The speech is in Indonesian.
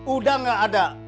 udah gak ada